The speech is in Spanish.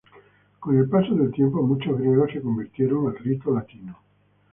Con el paso del tiempo muchos griegos se convirtieron al rito latino.